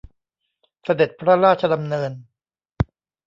เสด็จพระราชดำเนิน